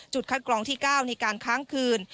คัดกรองที่๙ในการค้างคืน